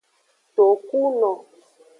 Tokuno.